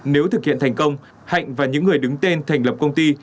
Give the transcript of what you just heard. nếu thực hiện thành công hạnh và những người đứng tên thành lập công ty